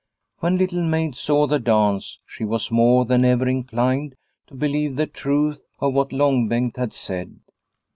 When Little Maid saw the dance she was more than ever inclined to believe the truth of what Long Bengt had said.